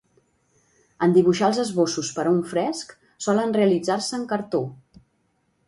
En dibuixar els esbossos per a un fresc, solen realitzar-se en cartó.